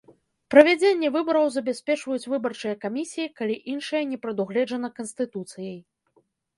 Правядзенне выбараў забяспечваюць выбарчыя камісіі, калі іншае не прадугледжана Канстытуцыяй.